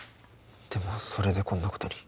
でもそれでこんな事に。